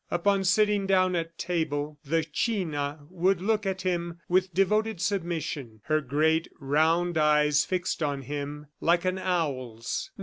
Upon sitting down at table, the China would look at him with devoted submission, her great, round eyes fixed on him, like an owl's.